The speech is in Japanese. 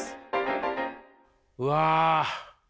うわ。